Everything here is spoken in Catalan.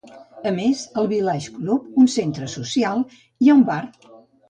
A més, al Village Club, un centre social, hi ha un bar.